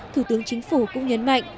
thủ tướng chính phủ cũng nhấn mạnh